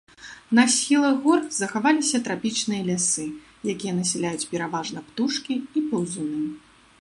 На схілах гор захаваліся трапічныя лясы, якія насяляюць пераважна птушкі і паўзуны.